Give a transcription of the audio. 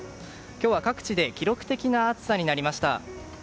今日は各地で記録的な暑さになりました。